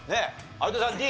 有田さんＤ。